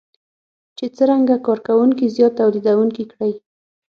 چې څرنګه کار کوونکي زیات توليدونکي کړي.